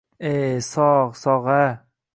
E, sogʼ, sogʼ-a!